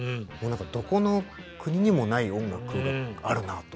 どこの国にもない音楽があるなと。